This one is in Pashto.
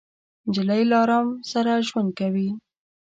نجلۍ له ارام سره ژوند کوي.